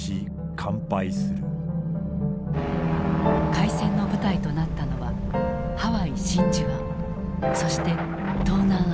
開戦の舞台となったのはハワイ・真珠湾そして東南アジア。